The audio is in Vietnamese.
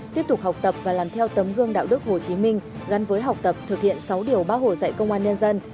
tiếp tục học tập và làm theo tấm gương đạo đức hồ chí minh gắn với học tập thực hiện sáu điều bác hồ dạy công an nhân dân